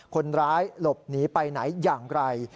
คนร้ายหลบหนีไปไหนอย่างไร